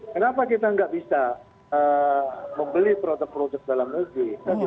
kenapa kita nggak bisa membeli produk produk dalam negeri